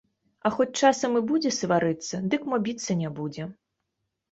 А хоць часам і будзе сварыцца, дык мо біцца не будзе.